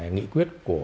nghị quyết của